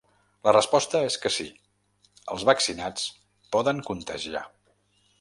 La resposta és que sí, els vaccinats poden contagiar.